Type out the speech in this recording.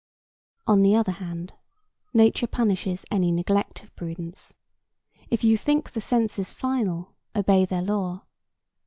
On the other hand, nature punishes any neglect of prudence. If you think the senses final, obey their law.